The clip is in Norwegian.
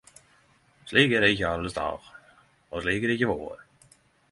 Slik er det ikkje alle stader - og slik har det ikkje vore.